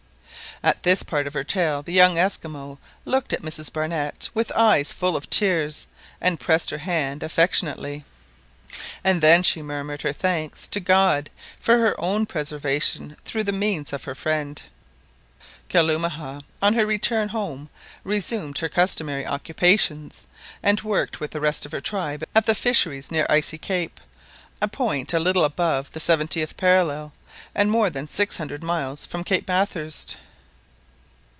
At this part of her tale the young Esquimaux looked at Mrs Barnett with eyes full of tears, and pressed her hand [affectionaly] affectionately, and then she murmured her thanks to God for her own preservation through the means of her friend. Kalumah on her return home resumed her customary occupations, and worked with the rest of her tribe at the fisheries near Icy Cape, a point a little above the seventieth parallel, and more than six hundred miles from Cape Bathurst.